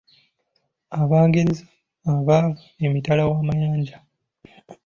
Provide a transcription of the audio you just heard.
Abangereza abaava emitala w’amayanja.